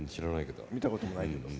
見たこともないけど。